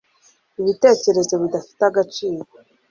Ibitekerezo bidafite agaciro